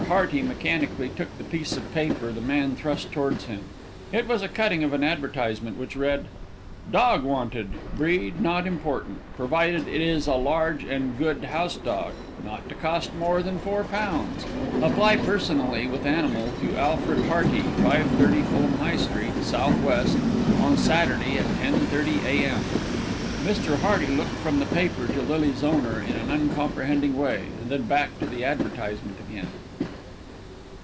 Hearty mechanically took the piece of paper the man thrust towards him. It was a cutting of an advertisement, which read: "DOG WANTED, breed not important, provided it is a large and good house dog. Not to cost more than £4. Apply personally with animal to Alfred Hearty, 530 Fulham High Street, S.W., on Saturday at 10.30 a.m." Mr. Hearty looked from the paper to Lily's owner in an uncomprehending way and then back to the advertisement again.